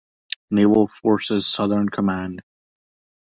Naval Forces Southern Command.